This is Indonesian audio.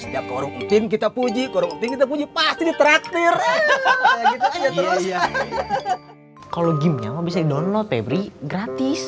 ya korupin kita puji korupin kita puji pasti terakhir kalau gimnya bisa download febri gratis